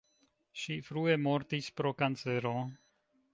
Ŝi frue mortis pro kancero.